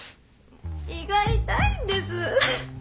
胃が痛いんです。